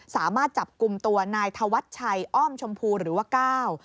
สามารถจับกลุ่มตัวนายธวัชชัยอ้อมชมพูหรือว่าก้าว